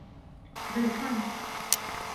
Ғирфан!